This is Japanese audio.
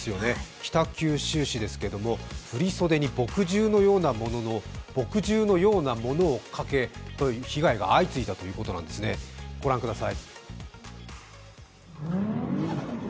北九州市ですけれども、振り袖に墨汁のようなものをかけられたという被害が相次いだということなんですね、ご覧ください。